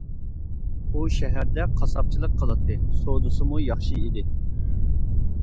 ئۇ شەھەردە قاسساپچىلىق قىلاتتى، سودىسىمۇ ياخشى ئىدى.